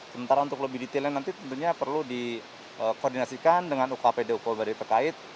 sementara untuk lebih detailnya nanti tentunya perlu dikoordinasikan dengan ukpd ukpd terkait